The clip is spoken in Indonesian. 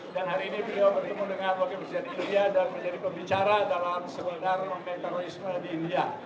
dan hari ini beliau bertemu dengan wakil ketua satu pbbc dan menjadi pembicara dalam sebuah darur metanoisme di india